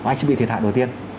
anh sẽ bị thiệt hại đầu tiên